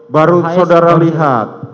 baru saudara lihat